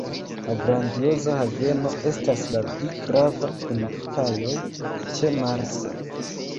La Grandioza Haveno estas la pli grava, kun kajoj ĉe Marsa.